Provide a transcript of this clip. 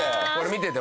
見てて。